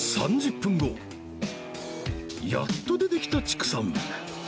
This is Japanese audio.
３０分後やっと出てきた知久さん